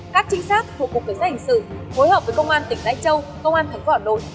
các trinh sát thuộc cục cảnh sát hình sự hối hợp với công an tỉnh lai châu công an thắng võ hà nội